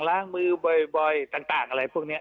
ล้างมือบ่อยต่างอะไรพวกนี้